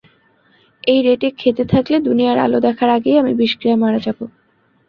এই রেটে খেতে থাকলে, দুনিয়ার আলো দেখার আগেই আমি বিষক্রিয়ায় মারা যাবো।